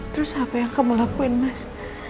terus apa yang kamu lakuin mas